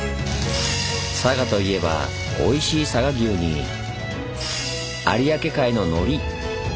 佐賀といえばおいしい佐賀牛に有明海ののり。